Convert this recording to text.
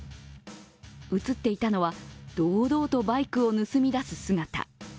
映っていたのは堂々とバイクを盗み出す姿。